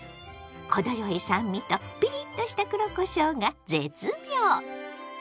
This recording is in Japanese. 程よい酸味とピリッとした黒こしょうが絶妙！